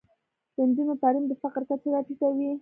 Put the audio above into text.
د نجونو تعلیم د فقر کچه راټیټوي.